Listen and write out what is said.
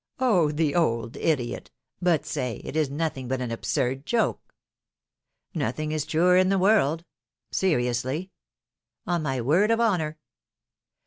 ^^Oh! the old idiot! But, say, it is nothing but an absurd joke.^^ '^Nothing is truer in the world." Seriously?" ^^On my word of honor!"